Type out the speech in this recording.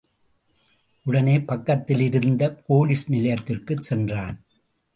உடனே பக்கத்திலிருந்த போலிஸ் நிலையத்திற்குச் சென்றான்.